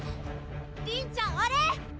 りんちゃんあれ！